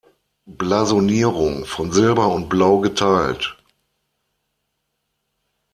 Blasonierung: „Von Silber und Blau geteilt.